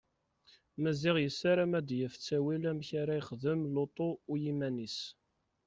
Maziɣ yessaram ad yaf ttawil amek ara ixdem lutu u yiman-is.